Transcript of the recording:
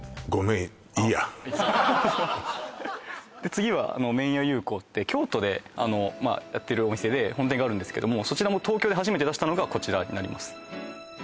次は麺屋優光って京都でやってるお店で本店があるんですけどもそちらも東京で初めて出したのがこちらになります